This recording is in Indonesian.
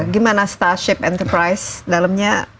gimana starship enterprise dalamnya